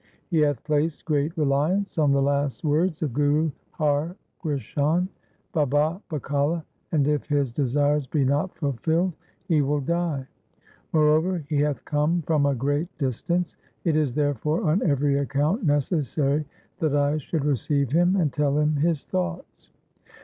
He hath placed great reliance on the last words of Guru Har Krishan, " Baba Bakale ", and if his desires be not fulfilled, he will die. Moreover he hath come from a great distance. It is therefore on every account necessary that I should receive him and tell him his thoughts.'